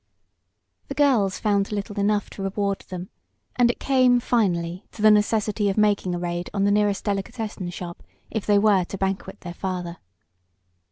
The girls found little enough to reward them, and it came, finally, to the necessity of making a raid on the nearest delicatessen shop if they were to "banquet" their father.